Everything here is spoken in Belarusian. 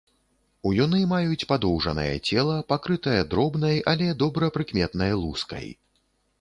Уюны маюць падоўжанае цела, пакрытае дробнай, але добра прыкметнай лускай.